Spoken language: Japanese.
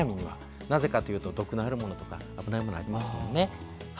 なぜかというと毒のあるものとか危ないものがあります。